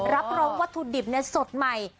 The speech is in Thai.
รับรองวัตถุดิบสดใหม่